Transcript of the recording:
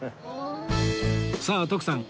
さあ徳さん